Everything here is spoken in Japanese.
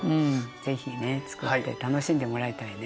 是非ねつくって楽しんでもらいたいね。